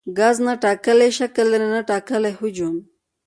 ګاز نه ټاکلی شکل لري نه ټاکلی حجم.